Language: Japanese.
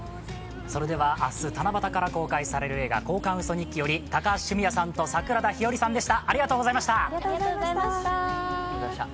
それでは明日七夕から公開される映画「交換ウソ日記」から高橋文哉さん、桜田ひよりさんでした。